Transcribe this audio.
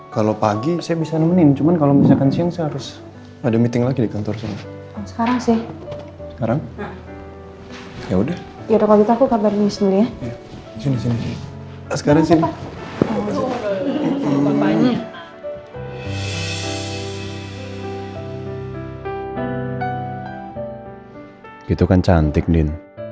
kau punya masalah harus cepet diselesaikan